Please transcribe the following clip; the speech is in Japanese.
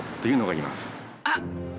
あっ！